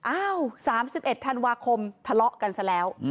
อ้าว๓๑ธันวาคมทะเลาะกันซะแล้ว